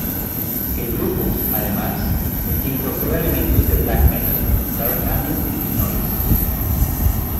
El grupo, además, incorpora elementos de black metal, dark ambient, y noise.